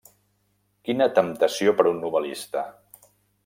Quina temptació per a un novel·lista!